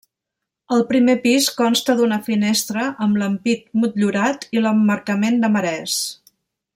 El primer pis consta d'una finestra amb l'ampit motllurat i l'emmarcament de marès.